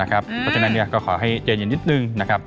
อ่านะครับเพราะฉะนั้นเนี่ยก็ขอให้เจ๋งเย็นนิดนึงนะครับ